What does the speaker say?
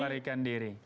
lari kan diri